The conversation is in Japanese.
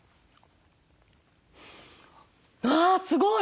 わすごい！